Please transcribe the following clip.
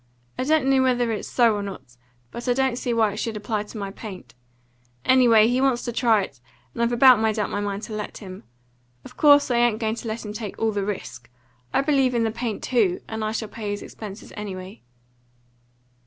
I don't know whether it's so or not; but I don't see why it should apply to my paint. Anyway, he wants to try it, and I've about made up my mind to let him. Of course I ain't going to let him take all the risk. I believe in the paint TOO, and I shall pay his expenses anyway."